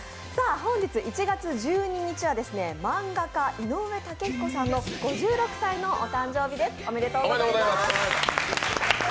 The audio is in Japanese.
本日１月１２日は漫画家・井上雄彦さんの５６歳のお誕生日ですおめでとうございます。